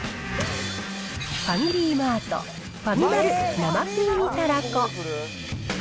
ファミリーマート、ファミマル生風味たらこ。